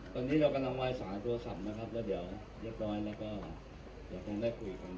ตอนนี้เรากำลังวายสายโทรศัพท์นะครับแล้วเดี๋ยวเรียบร้อยแล้วก็เดี๋ยวคงได้คุยกัน